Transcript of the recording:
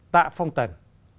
tạ phong tần